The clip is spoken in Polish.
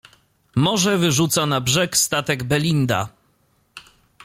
"Morze wyrzuca na brzeg statek „Belinda“."